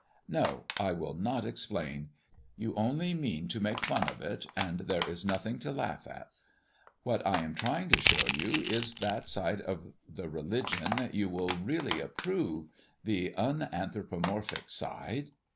"No, I will not explain; you only mean to make fun of it, and there is nothing to laugh at. What I am trying to show you is that side of the religion you will really approve the unanthropomorphic side.